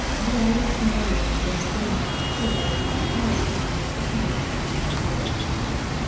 They are less annoying than the rain and hail which in our climate surprise us in our walks.